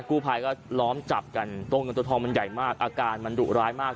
กู้ภัยก็ล้อมจับกันตัวเงินตัวทองมันใหญ่มากอาการมันดุร้ายมาก